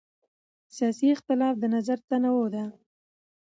سیاسي اختلاف د نظر تنوع ده